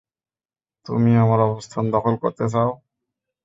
তুমি আমার অবস্থান দখল করতে চাও?